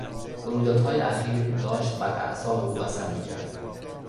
رویدادهای اخیر داشت بر اعصاب او اثر میکرد.